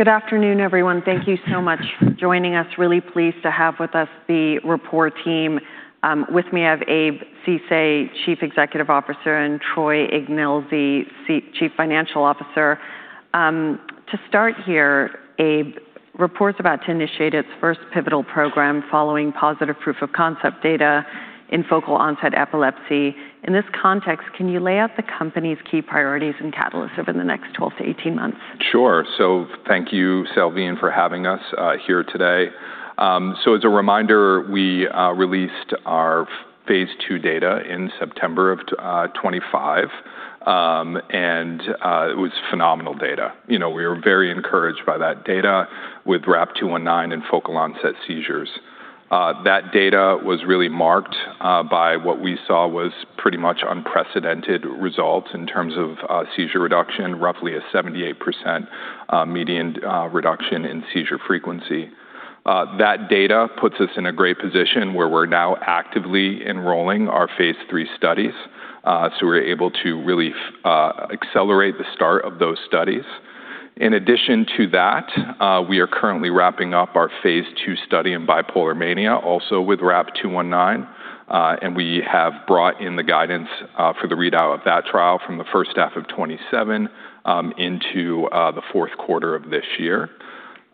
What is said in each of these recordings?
Good afternoon, everyone. Thank you so much for joining us. Really pleased to have with us the Rapport team. With me, I have Abe Ceesay, Chief Executive Officer, and Troy Ignelzi, Chief Financial Officer. To start here, Abe, Rapport's about to initiate its first pivotal program following positive proof-of-concept data in focal-onset epilepsy. In this context, can you lay out the company's key priorities and catalysts over the next 12-18 months? Sure. Thank you, Salveen, for having us here today. As a reminder, we released our phase II data in September of 2025, and it was phenomenal data. We were very encouraged by that data with RAP-219 in focal-onset seizures. That data was really marked by what we saw was pretty much unprecedented results in terms of seizure reduction, roughly a 78% median reduction in seizure frequency. That data puts us in a great position where we're now actively enrolling our phase III studies. We're able to really accelerate the start of those studies. In addition to that, we are currently wrapping up our phase II study in bipolar mania, also with RAP-219. We have brought in the guidance for the readout of that trial from the first half of 2027 into the fourth quarter of this year.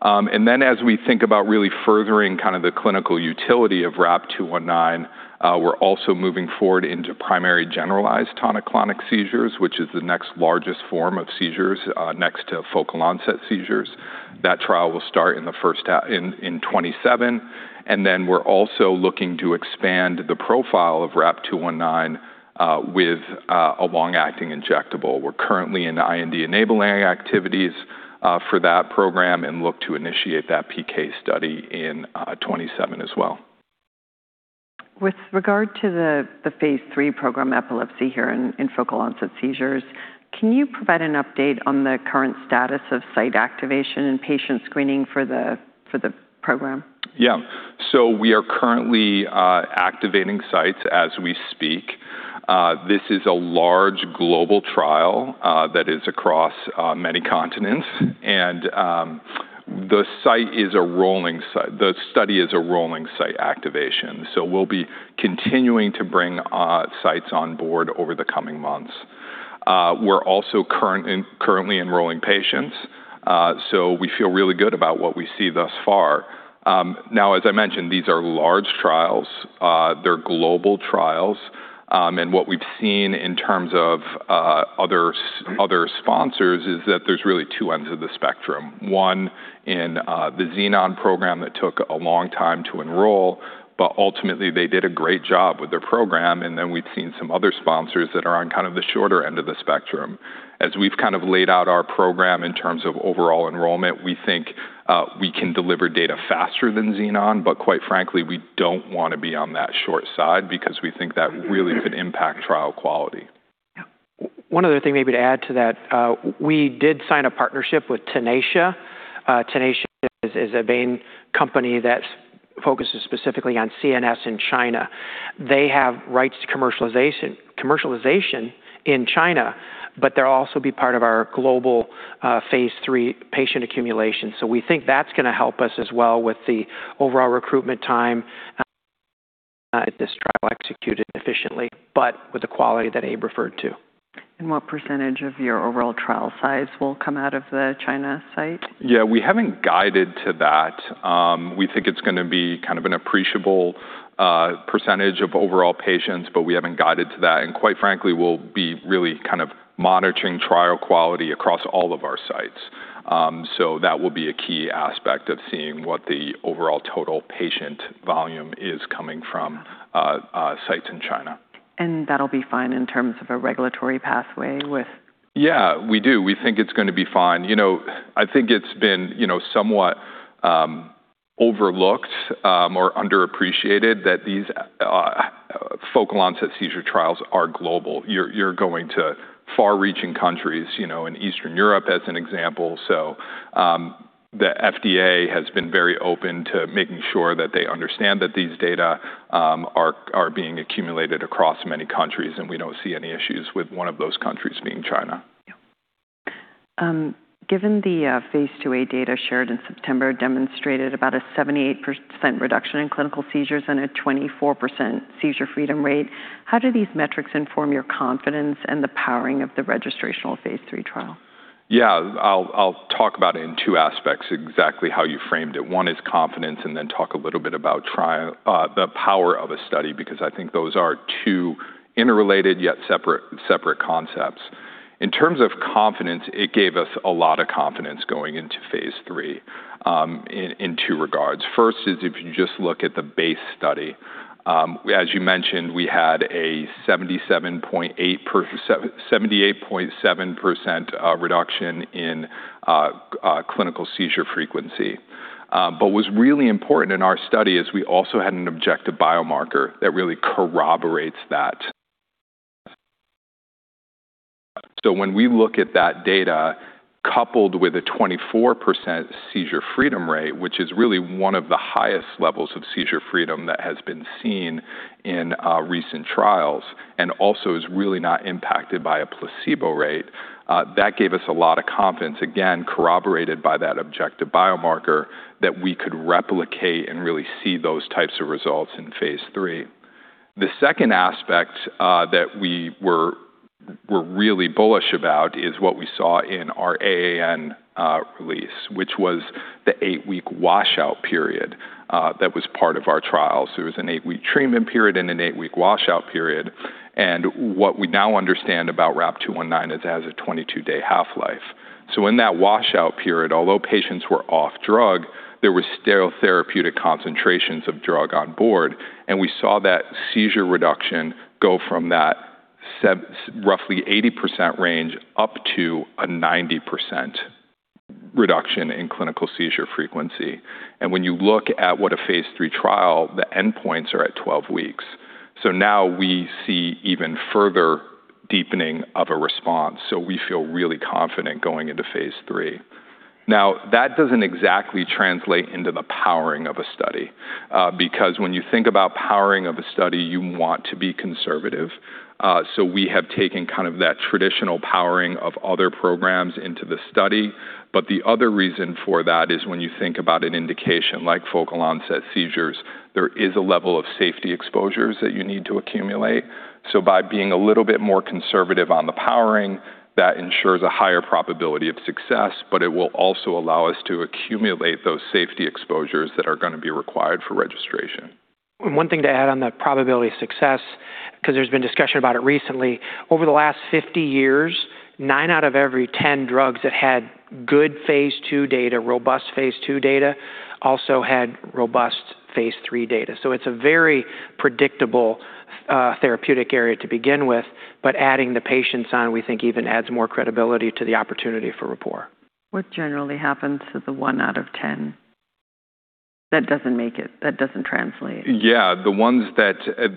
As we think about really furthering the clinical utility of RAP-219, we're also moving forward into primary generalized tonic-clonic seizures, which is the next largest form of seizures next to focal-onset seizures. That trial will start in 2027. We're also looking to expand the profile of RAP-219 with a long-acting injectable. We're currently in IND-enabling activities for that program and look to initiate that PK study in 2027 as well. With regard to the phase III program epilepsy here in focal-onset seizures, can you provide an update on the current status of site activation and patient screening for the program? Yeah. We are currently activating sites as we speak. This is a large global trial that is across many continents. The study is a rolling site activation, we'll be continuing to bring sites on board over the coming months. We're also currently enrolling patients, we feel really good about what we see thus far. Now, as I mentioned, these are large trials. They're global trials. What we've seen in terms of other sponsors is that there's really two ends of the spectrum. One in the Xenon program that took a long time to enroll, ultimately, they did a great job with their program. We've seen some other sponsors that are on the shorter end of the spectrum. As we've laid out our program in terms of overall enrollment, we think we can deliver data faster than Xenon, quite frankly, we don't want to be on that short side because we think that really could impact trial quality. Yeah. One other thing maybe to add to that, we did sign a partnership with Tenacia. Tenacia is a main company that focuses specifically on CNS in China. They have rights to commercialization in China, they'll also be part of our global phase III patient accumulation. We think that's going to help us as well with the overall recruitment time, get this trial executed efficiently, with the quality that Abe referred to. What percentage of your overall trial size will come out of the China site? We haven't guided to that. We think it's going to be an appreciable percentage of overall patients, but we haven't guided to that. Quite frankly, we'll be really monitoring trial quality across all of our sites. That will be a key aspect of seeing what the overall total patient volume is coming from sites in China. That'll be fine in terms of a regulatory pathway with? Yeah. We do. We think it's going to be fine. I think it's been somewhat overlooked or underappreciated that these focal-onset seizure trials are global. You're going to far-reaching countries, in Eastern Europe as an example. The FDA has been very open to making sure that they understand that these data are being accumulated across many countries, and we don't see any issues with one of those countries being China. Yeah. Given the phase II-A data shared in September demonstrated about a 78% reduction in clinical seizures and a 24% seizure freedom rate, how do these metrics inform your confidence and the powering of the registrational phase III trial? Yeah. I'll talk about it in two aspects, exactly how you framed it. One is confidence, and then talk a little bit about the power of a study, because I think those are two interrelated yet separate concepts. In terms of confidence, it gave us a lot of confidence going into phase III in two regards. First is if you just look at the base study. As you mentioned, we had a 78.7% reduction in clinical seizure frequency. What's really important in our study is we also had an objective biomarker that really corroborates that. When we look at that data coupled with a 24% seizure freedom rate, which is really one of the highest levels of seizure freedom that has been seen in recent trials and also is really not impacted by a placebo rate, that gave us a lot of confidence, again, corroborated by that objective biomarker, that we could replicate and really see those types of results in phase III. The second aspect that we were really bullish about is what we saw in our AAN release, which was the eight week washout period that was part of our trials. There was an eight week treatment period and an eight week washout period, and what we now understand about RAP-219 is it has a 22 day half-life. In that washout period, although patients were off drug, there were still therapeutic concentrations of drug on board, and we saw that seizure reduction go from that roughly 80% range up to a 90% reduction in clinical seizure frequency. When you look at what a phase III trial, the endpoints are at 12 weeks. Now we see even further deepening of a response, we feel really confident going into phase III. Now, that doesn't exactly translate into the powering of a study, because when you think about powering of a study, you want to be conservative. We have taken kind of that traditional powering of other programs into the study. The other reason for that is when you think about an indication like focal-onset seizures, there is a level of safety exposures that you need to accumulate. By being a little bit more conservative on the powering, that ensures a higher probability of success, but it will also allow us to accumulate those safety exposures that are going to be required for registration. One thing to add on that probability of success, because there's been discussion about it recently. Over the last 50 years, nine out of every 10 drugs that had good phase II data, robust phase II data, also had robust phase III data. It's a very predictable therapeutic area to begin with. Adding the patients on, we think even adds more credibility to the opportunity for Rapport. What generally happens to the one out of 10 that doesn't make it, that doesn't translate? Yeah.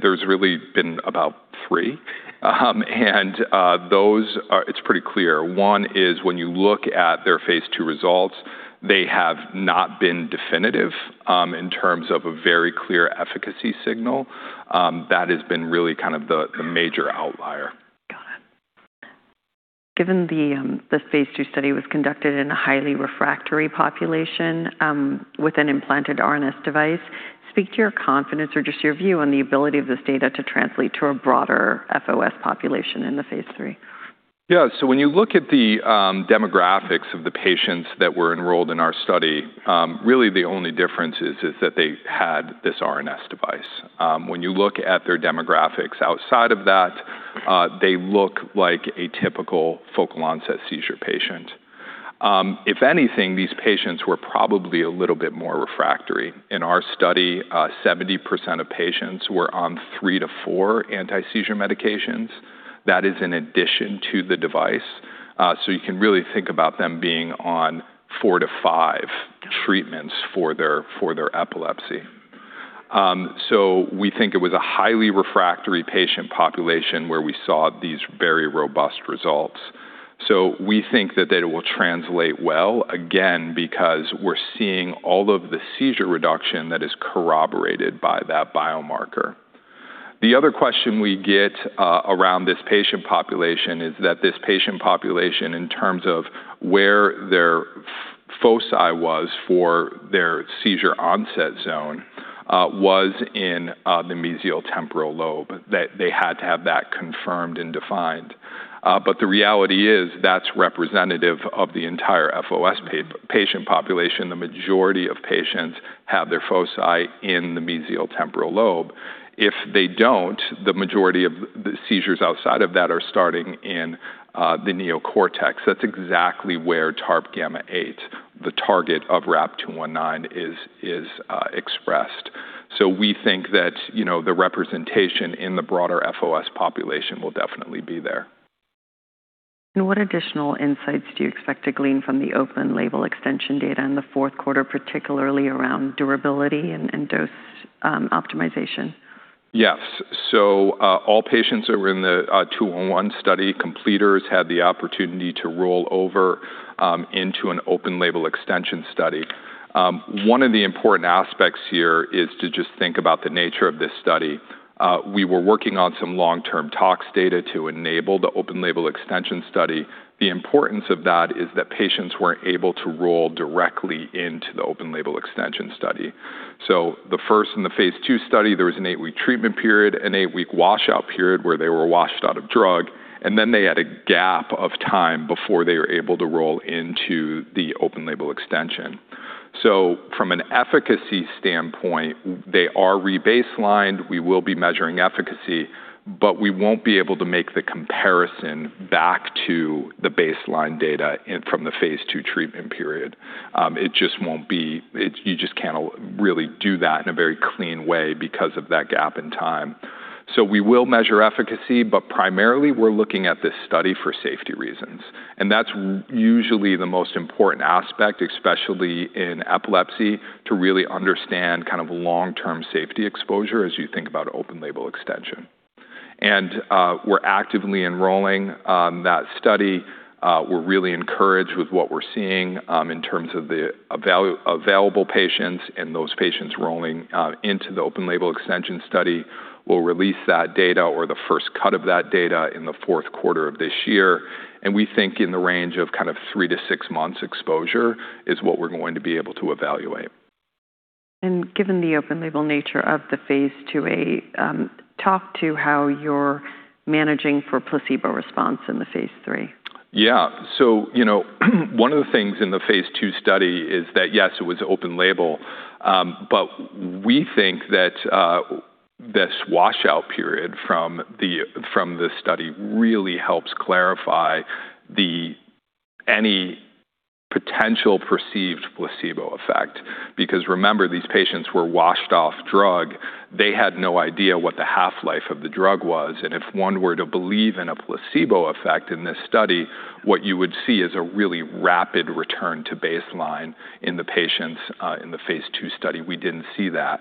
There's really been about three. Those, it's pretty clear. One is when you look at their phase II results, they have not been definitive in terms of a very clear efficacy signal. That has been really kind of the major outlier. Got it. Given the phase II study was conducted in a highly refractory population with an implanted RNS device, speak to your confidence or just your view on the ability of this data to translate to a broader FOS population in the phase III. Yeah. When you look at the demographics of the patients that were enrolled in our study, really the only difference is that they had this RNS device. When you look at their demographics outside of that, they look like a typical focal-onset seizure patient. If anything, these patients were probably a little bit more refractory. In our study, 70% of patients were on three to four anti-seizure medications. That is in addition to the device. You can really think about them being on four to five treatments for their epilepsy. We think it was a highly refractory patient population where we saw these very robust results. We think that data will translate well, again, because we're seeing all of the seizure reduction that is corroborated by that biomarker. The other question we get around this patient population is that this patient population, in terms of where their foci was for their seizure onset zone, was in the mesial temporal lobe, that they had to have that confirmed and defined. The reality is, that's representative of the entire FOS patient population. The majority of patients have their foci in the mesial temporal lobe. If they don't, the majority of the seizures outside of that are starting in the neocortex. That's exactly where TARPγ8, the target of RAP-219, is expressed. We think that the representation in the broader FOS population will definitely be there. What additional insights do you expect to glean from the open label extension data in the fourth quarter, particularly around durability and dose optimization? Yeah. All patients that were in the 211 study, completers had the opportunity to roll over into an open label extension study. One of the important aspects here is to just think about the nature of this study. We were working on some long-term tox data to enable the open label extension study. The importance of that is that patients weren't able to roll directly into the open label extension study. The first in the phase II study, there was an eight week treatment period, an eight week washout period where they were washed out of drug, and then they had a gap of time before they were able to roll into the open label extension. From an efficacy standpoint, they are re-baselined. We will be measuring efficacy, but we won't be able to make the comparison back to the baseline data from the phase II treatment period. You just can't really do that in a very clean way because of that gap in time. We will measure efficacy, but primarily we're looking at this study for safety reasons. That's usually the most important aspect, especially in epilepsy, to really understand long-term safety exposure as you think about open label extension. We're actively enrolling that study. We're really encouraged with what we're seeing in terms of the available patients and those patients rolling into the open label extension study. We'll release that data or the first cut of that data in the fourth quarter of this year. We think in the range of three to six months exposure is what we're going to be able to evaluate. Given the open label nature of the phase II-A, talk to how you're managing for placebo response in the phase III. Yeah. One of the things in the phase II study is that, yes, it was open label, but we think that this washout period from the study really helps clarify any potential perceived placebo effect. Because remember, these patients were washed off drug. They had no idea what the half-life of the drug was. If one were to believe in a placebo effect in this study, what you would see is a really rapid return to baseline in the patients, in the phase II study. We didn't see that.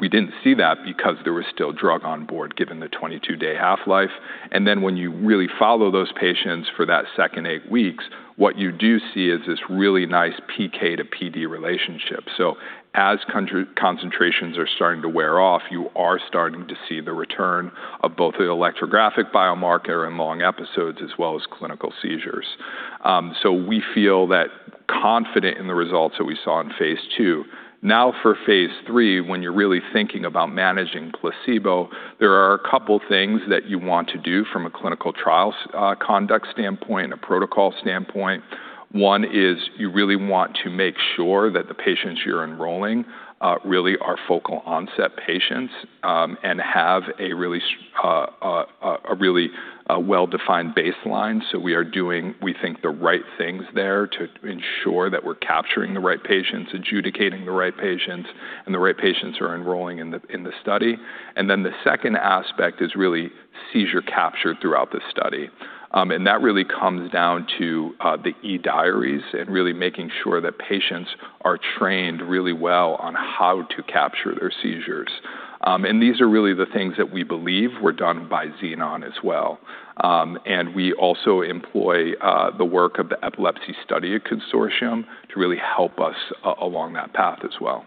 We didn't see that because there was still drug on board, given the 22 day half-life. Then when you really follow those patients for that second eight weeks, what you do see is this really nice PK to PD relationship. As concentrations are starting to wear off, you are starting to see the return of both the electrographic biomarker and long episodes, as well as clinical seizures. We feel that confident in the results that we saw in phase II. For phase III, when you're really thinking about managing placebo, there are a couple things that you want to do from a clinical trials conduct standpoint and a protocol standpoint. One is you really want to make sure that the patients you're enrolling really are focal-onset patients and have a really well-defined baseline. We are doing, we think, the right things there to ensure that we're capturing the right patients, adjudicating the right patients, and the right patients are enrolling in the study. Then the second aspect is really seizure capture throughout the study. That really comes down to the eDiaries and really making sure that patients are trained really well on how to capture their seizures. These are really the things that we believe were done by Xenon as well. We also employ the work of The Epilepsy Study Consortium to really help us along that path as well.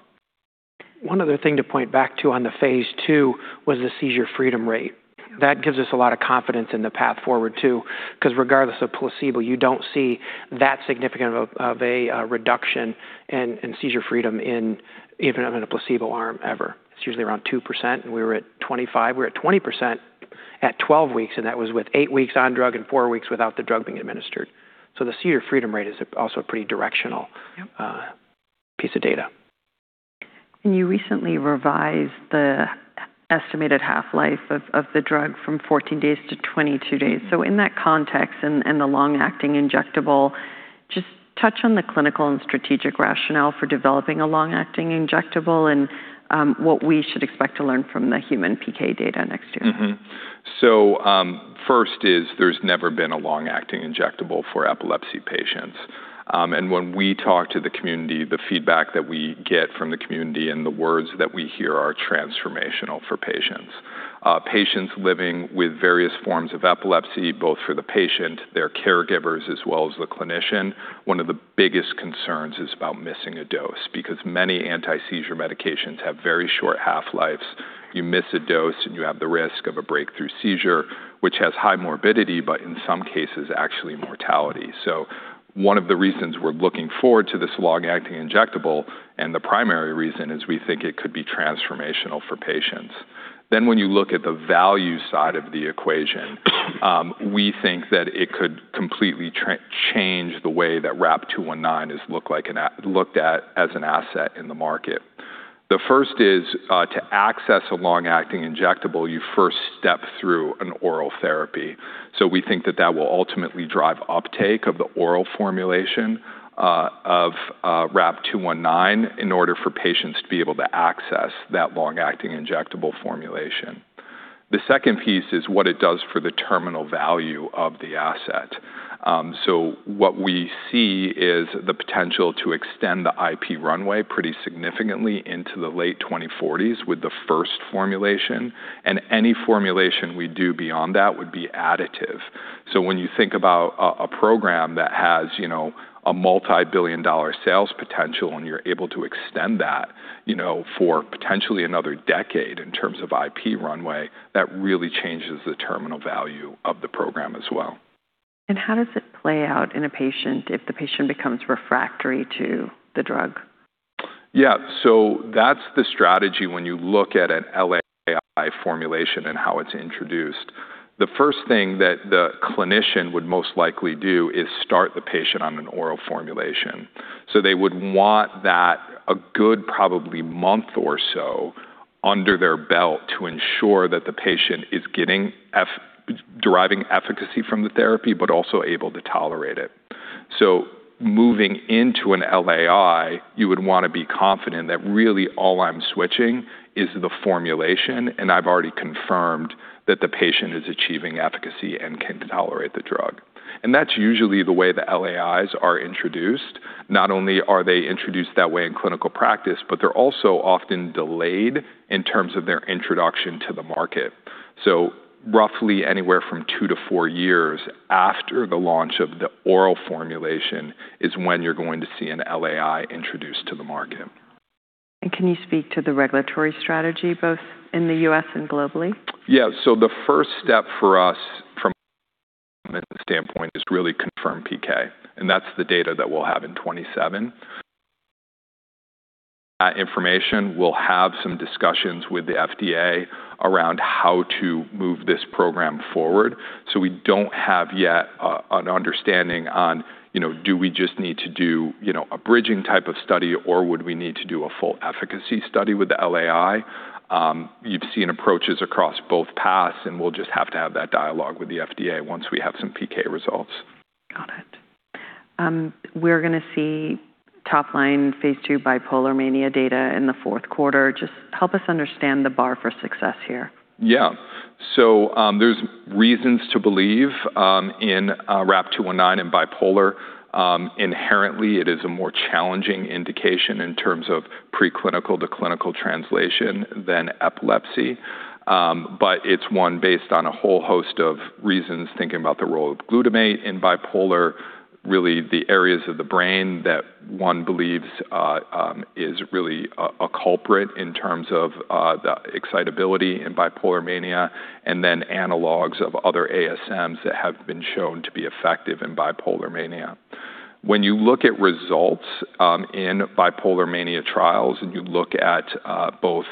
One other thing to point back to on the phase II was the seizure freedom rate. That gives us a lot of confidence in the path forward, too, because regardless of placebo, you don't see that significant of a reduction in seizure freedom even in a placebo arm ever. It's usually around 2%, and we were at 25%. We were at 20% at 12 weeks, and that was with eight weeks on drug and four weeks without the drug being administered. The seizure freedom rate is also a pretty directional piece of data. You recently revised the estimated half-life of the drug from 14 days to 22 days. In that context and the long-acting injectable, just touch on the clinical and strategic rationale for developing a long-acting injectable and what we should expect to learn from the human PK data next year. First is there's never been a long-acting injectable for epilepsy patients. When we talk to the community, the feedback that we get from the community and the words that we hear are transformational for patients. Patients living with various forms of epilepsy, both for the patient, their caregivers, as well as the clinician, one of the biggest concerns is about missing a dose, because many anti-seizure medications have very short half-lives. You miss a dose, and you have the risk of a breakthrough seizure, which has high morbidity, but in some cases, actually mortality. One of the reasons we're looking forward to this long-acting injectable, and the primary reason, is we think it could be transformational for patients. When you look at the value side of the equation, we think that it could completely change the way that RAP-219 is looked at as an asset in the market. The first is to access a long-acting injectable, you first step through an oral therapy. We think that that will ultimately drive uptake of the oral formulation of RAP-219 in order for patients to be able to access that long-acting injectable formulation. The second piece is what it does for the terminal value of the asset. What we see is the potential to extend the IP runway pretty significantly into the late 2040s with the first formulation, and any formulation we do beyond that would be additive. When you think about a program that has a multi-billion-dollar sales potential, and you're able to extend that for potentially another decade in terms of IP runway, that really changes the terminal value of the program as well. How does it play out in a patient if the patient becomes refractory to the drug? That's the strategy when you look at an LAI formulation and how it's introduced. The first thing that the clinician would most likely do is start the patient on an oral formulation. They would want that a good probably month or so under their belt to ensure that the patient is deriving efficacy from the therapy, but also able to tolerate it. Moving into an LAI, you would want to be confident that really all I'm switching is the formulation, and I've already confirmed that the patient is achieving efficacy and can tolerate the drug. That's usually the way the LAIs are introduced. Not only are they introduced that way in clinical practice, but they're also often delayed in terms of their introduction to the market. Roughly anywhere from two to four years after the launch of the oral formulation is when you're going to see an LAI introduced to the market. Can you speak to the regulatory strategy both in the U.S. and globally? Yes. The first step for us from a development standpoint is really confirm PK, and that's the data that we'll have in 2027. That information, we'll have some discussions with the FDA around how to move this program forward. We don't have yet an understanding on do we just need to do a bridging type of study or would we need to do a full efficacy study with the LAI? You've seen approaches across both paths, we'll just have to have that dialogue with the FDA once we have some PK results. Got it. We're going to see top line phase II bipolar mania data in the fourth quarter. Just help us understand the bar for success here. Yeah. There's reasons to believe in RAP-219 and bipolar. Inherently, it is a more challenging indication in terms of preclinical to clinical translation than epilepsy. It's one based on a whole host of reasons, thinking about the role of glutamate in bipolar, really the areas of the brain that one believes is really a culprit in terms of the excitability in bipolar mania, analogs of other ASMs that have been shown to be effective in bipolar mania. When you look at results in bipolar mania trials, you look at both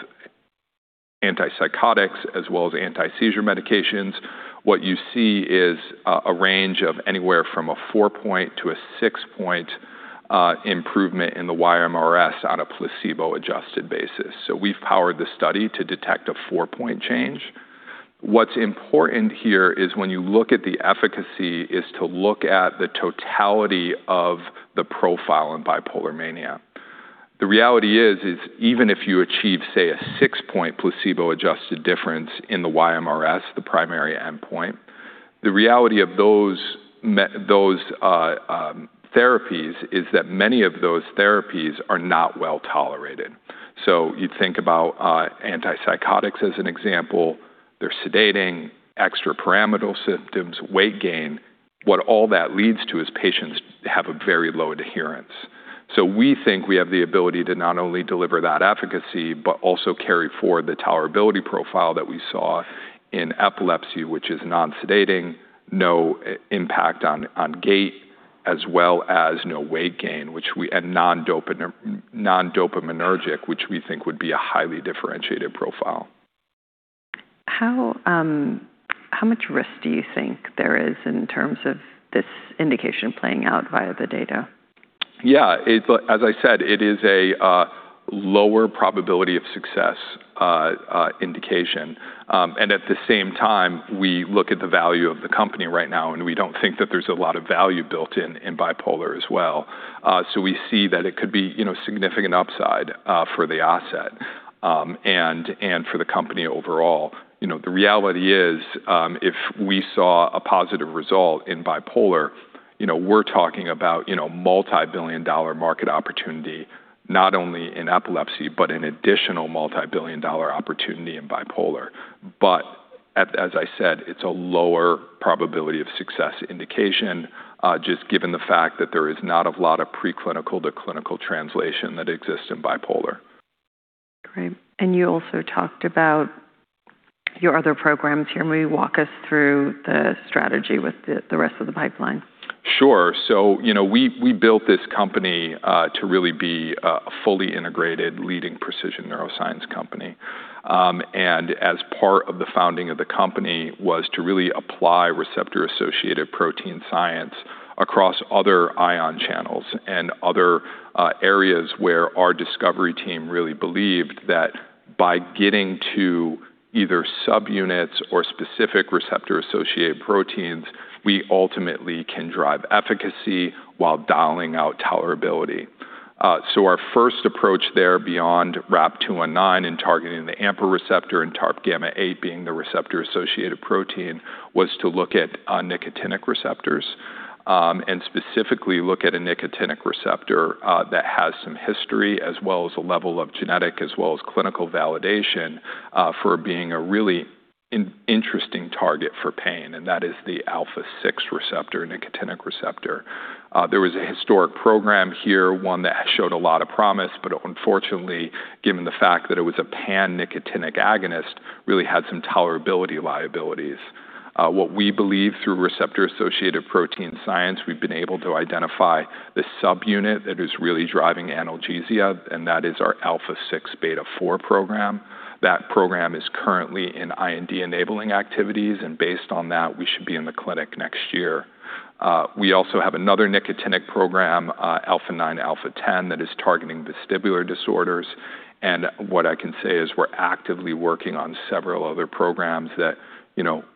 antipsychotics as well as anti-seizure medications, what you see is a range of anywhere from a four-point to a six-point improvement in the YMRS on a placebo-adjusted basis. We've powered the study to detect a four-point change. What's important here is when you look at the efficacy is to look at the totality of the profile in bipolar mania. The reality is even if you achieve, say, a six-point placebo-adjusted difference in the YMRS, the primary endpoint, the reality of those therapies is that many of those therapies are not well-tolerated. You'd think about antipsychotics as an example. They're sedating, extrapyramidal symptoms, weight gain. What all that leads to is patients have a very low adherence. We think we have the ability to not only deliver that efficacy, but also carry forward the tolerability profile that we saw in epilepsy, which is non-sedating, no impact on gait, as well as no weight gain, and non-dopaminergic, which we think would be a highly differentiated profile. How much risk do you think there is in terms of this indication playing out via the data? Yeah. As I said, it is a lower probability of success indication. At the same time, we look at the value of the company right now, and we don't think that there's a lot of value built in in bipolar as well. We see that it could be significant upside for the asset, and for the company overall. The reality is, if we saw a positive result in bipolar, we're talking about multi-billion-dollar market opportunity, not only in epilepsy, but an additional multi-billion-dollar opportunity in bipolar. As I said, it's a lower probability of success indication, just given the fact that there is not a lot of preclinical to clinical translation that exists in bipolar. Great. You also talked about your other programs here. Maybe walk us through the strategy with the rest of the pipeline. Sure. We built this company to really be a fully integrated leading precision neuroscience company. As part of the founding of the company was to really apply receptor-associated protein science across other ion channels and other areas where our discovery team really believed that by getting to either subunits or specific receptor-associated proteins, we ultimately can drive efficacy while dialing out tolerability. Our first approach there beyond RAP-219 in targeting the AMPA receptor and TARPγ8 being the receptor-associated protein, was to look at nicotinic receptors, and specifically look at a nicotinic receptor that has some history, as well as a level of genetic as well as clinical validation for being a really interesting target for pain, and that is the α6 receptor, nicotinic receptor. There was a historic program here, one that showed a lot of promise, but unfortunately, given the fact that it was a pan-nicotinic agonist, really had some tolerability liabilities. What we believe through receptor-associated protein science, we've been able to identify the subunit that is really driving analgesia, and that is our α6ß4 program. That program is currently in IND-enabling activities, and based on that, we should be in the clinic next year. We also have another nicotinic program, α9, α10, that is targeting vestibular disorders. What I can say is we're actively working on several other programs that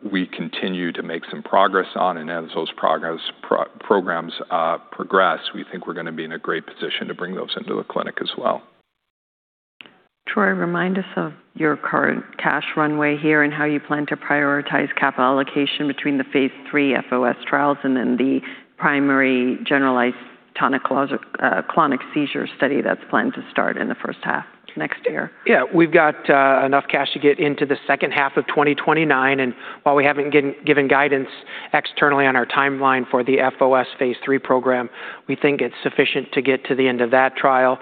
we continue to make some progress on. As those programs progress, we think we're going to be in a great position to bring those into the clinic as well. Troy, remind us of your current cash runway here and how you plan to prioritize capital allocation between the phase III FOS trials and then the primary generalized tonic-clonic seizure study that's planned to start in the first half next year. Yeah. We've got enough cash to get into the second half of 2029, and while we haven't given guidance externally on our timeline for the FOS phase III program, we think it's sufficient to get to the end of that trial.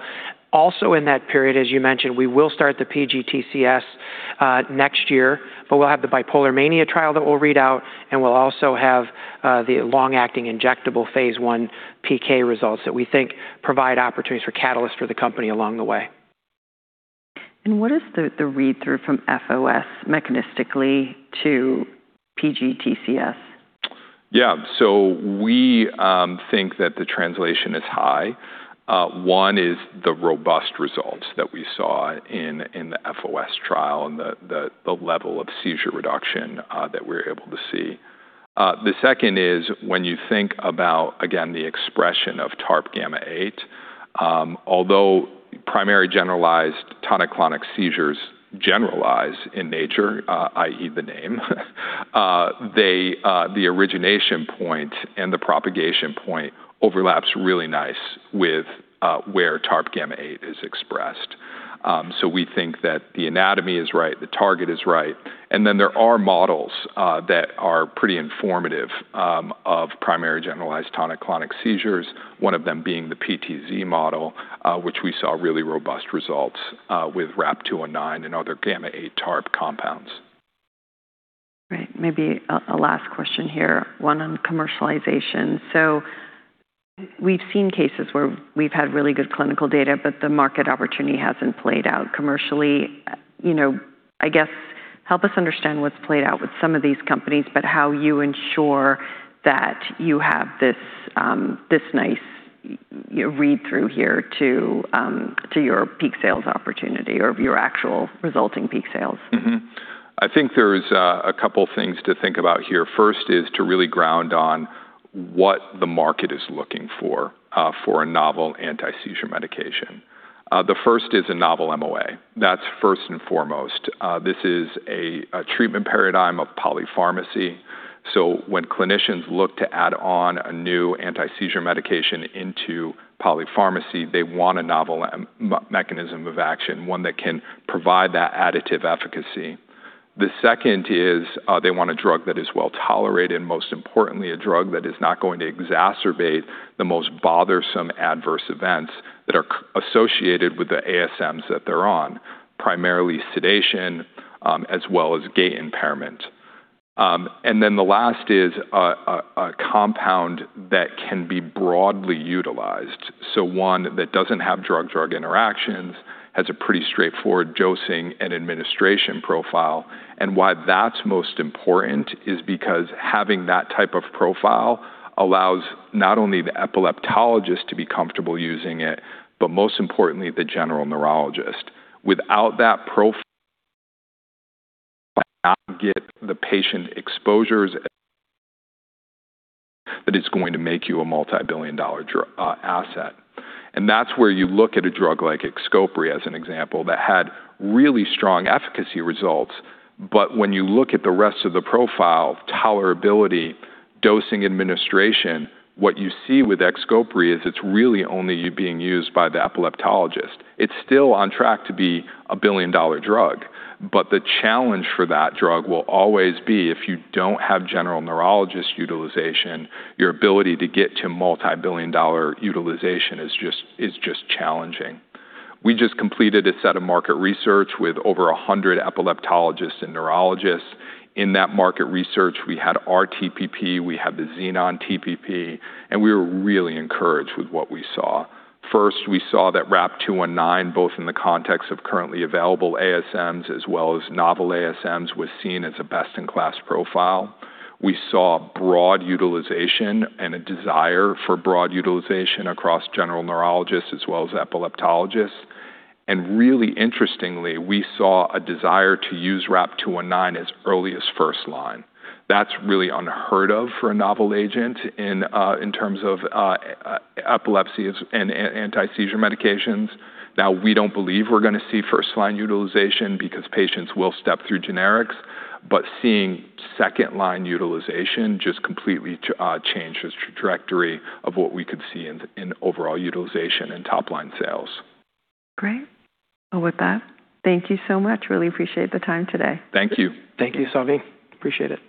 Also in that period, as you mentioned, we will start the PGTCS next year, but we'll have the bipolar mania trial that we'll read out, and we'll also have the long-acting injectable phase I PK results that we think provide opportunities for catalyst for the company along the way. What is the read-through from FOS mechanistically to PGTCS? Yeah. We think that the translation is high. One is the robust results that we saw in the FOS trial and the level of seizure reduction that we're able to see. The second is when you think about, again, the expression of TARPγ8. Although primary generalized tonic-clonic seizures generalize in nature, i.e. the name, the origination point and the propagation point overlaps really nice with where TARPγ8 is expressed. We think that the anatomy is right, the target is right, and then there are models that are pretty informative of primary generalized tonic-clonic seizures, one of them being the PTZ model, which we saw really robust results with RAP-219 and other γ8 TARP compounds. Right. Maybe a last question here, one on commercialization. We've seen cases where we've had really good clinical data, but the market opportunity hasn't played out commercially. I guess, help us understand what's played out with some of these companies, but how you ensure that you have this nice read-through here to your peak sales opportunity or your actual resulting peak sales. I think there's a couple things to think about here. First is to really ground on what the market is looking for a novel anti-seizure medication. The first is a novel MOA. That's first and foremost. This is a treatment paradigm of polypharmacy. When clinicians look to add on a new anti-seizure medication into polypharmacy, they want a novel mechanism of action, one that can provide that additive efficacy. The second is they want a drug that is well-tolerated, and most importantly, a drug that is not going to exacerbate the most bothersome adverse events that are associated with the ASMs that they're on, primarily sedation, as well as gait impairment. The last is a compound that can be broadly utilized. One that doesn't have drug-drug interactions, has a pretty straightforward dosing and administration profile. Why that's most important is because having that type of profile allows not only the epileptologist to be comfortable using it, but most importantly, the general neurologist. Without that profile, not get the patient exposures that is going to make you a multi-billion-dollar asset. That's where you look at a drug like XCOPRI, as an example, that had really strong efficacy results. When you look at the rest of the profile, tolerability, dosing administration, what you see with XCOPRI is it's really only being used by the epileptologist. It's still on track to be a billion-dollar drug. The challenge for that drug will always be if you don't have general neurologist utilization, your ability to get to multi-billion-dollar utilization is just challenging. We just completed a set of market research with over 100 epileptologists and neurologists. In that market research, we had our TPP, we had the Xenon TPP, and we were really encouraged with what we saw. First, we saw that RAP-219, both in the context of currently available ASMs as well as novel ASMs, was seen as a best-in-class profile. We saw broad utilization and a desire for broad utilization across general neurologists as well as epileptologists. Really interestingly, we saw a desire to use RAP-219 as early as first-line. That's really unheard of for a novel agent in terms of epilepsy and anti-seizure medications. We don't believe we're going to see first-line utilization because patients will step through generics. Seeing second-line utilization just completely changes the trajectory of what we could see in overall utilization and top-line sales. Great. Well, with that, thank you so much. Really appreciate the time today. Thank you. Thank you, Salveen. Appreciate it.